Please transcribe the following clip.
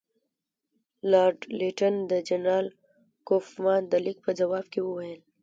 لارډ لیټن د جنرال کوفمان د لیک په ځواب کې وویل.